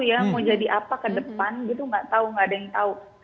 yang mau jadi apa ke depan gitu nggak tahu nggak ada yang tahu